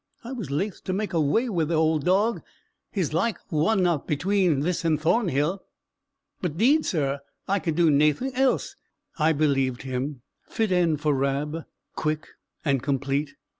I was laith to make awa wi' the auld dowg, his like wasna atween this and Thornhill but, 'deed, sir, I could do naething else." I believed him. Fit end for Rab, quick and complete.